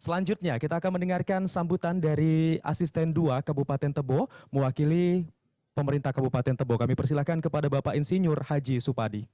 selanjutnya kita akan mendengarkan sambutan dari asisten dua kabupaten tebo mewakili pemerintah kabupaten tebo kami persilahkan kepada bapak insinyur haji supadi